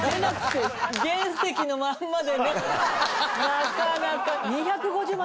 なかなか。